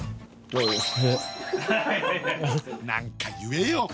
何か言えよ！